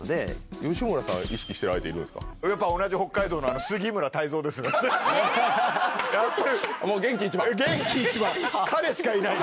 吉村さん、やっぱ同じ北海道の杉村太蔵ですね。